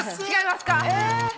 違います。